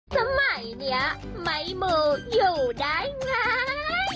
สมัยนี้ไม้มูอยู่ได้ไง